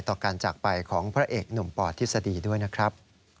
ต่อการจากไปของพระเอกหนุ่มปอทฤษฎีด้วยนะครับ